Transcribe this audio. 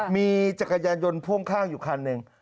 มีจักรยานยนต์พ่วงข้างอยู่คันหนึ่ง